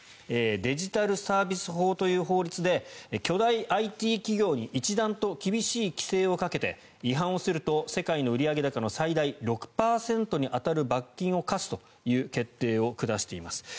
デジタルサービス法という法律で巨大ＩＴ企業に一段と厳しい規制をかけて違反をすると、世界の売上高の最大６％に当たる罰金を科すという決定を下しています。